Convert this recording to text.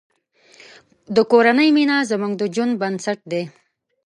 د کورنۍ مینه زموږ د ژوند بنسټ دی.